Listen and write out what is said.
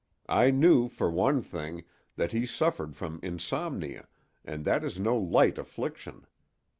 I knew, for one thing, that he suffered from insomnia, and that is no light affliction.